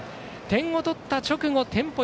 点を取った直後テンポ